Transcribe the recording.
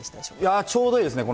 いやちょうどいいですね。